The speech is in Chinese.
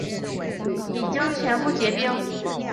已经全部结冰